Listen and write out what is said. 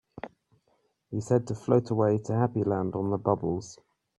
He said to float away to Happy Land on the bubbles.